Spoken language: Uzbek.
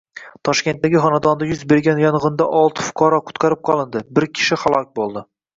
Toshkentdagi xonadonda yuz bergan yong‘indaoltifuqaro qutqarib qolindi, birkishi halok bo‘ldi